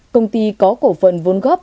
công ty có cổ phận vốn góp